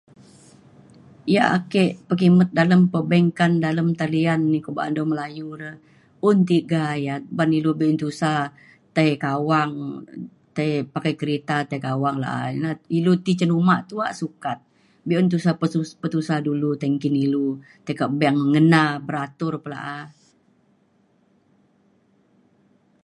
yak ake pekimet dalem perbankan dalem talian ni ku ba’an dau Melayu re un tiga ia’ ban lu be’un tusah tai kawang tai pakai kerita tai kawang la’a. ilu ti cin uma tuak sukat be’un tusa pesu- petusah dulu tai nggin ilu tai kak bank ngena beratur pe la’a.